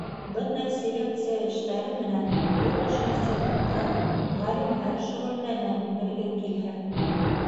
Бындай селекция эштәре менән тотош институттар, ғалимдар шөғөлләнә, белгең килһә!